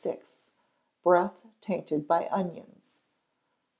Breath tainted by Onions.